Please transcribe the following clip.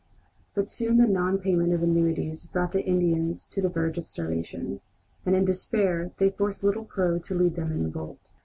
But soon the non payment of annuities brought the Indians to the verge of starvation, and in despair they forced Little Crow to lead them in revolt.